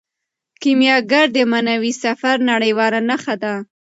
کیمیاګر د معنوي سفر نړیواله نښه ده.